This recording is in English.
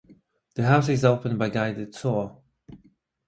The house is open by guided tour.